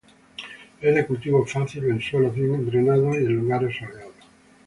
Es de cultivo fácil, en suelos bien drenados y en lugares soleados.